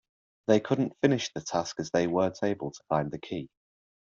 They couldn't finish the task as they weren't able to find the key